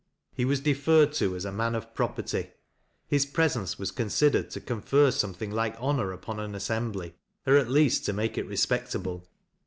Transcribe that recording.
He was deferred to as a man of property ; his presence was considered to confer something like honor upon an assembly, or at least to make it re spectable.